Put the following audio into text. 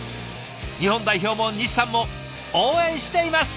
日本代表も西さんも応援しています！